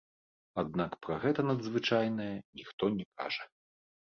Аднак пра гэта надзвычайнае ніхто не кажа.